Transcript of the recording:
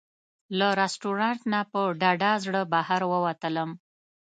له رسټورانټ نه په ډاډه زړه بهر ووتلم.